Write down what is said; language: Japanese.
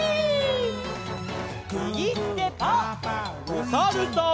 おさるさん。